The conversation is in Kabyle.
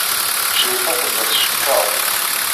Crifa tella tcekkeḍ.